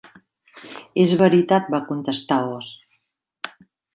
"És veritat", va contestar Oz.